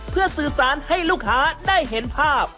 เพื่อสื่อสารให้ลูกค้าได้เห็นภาพ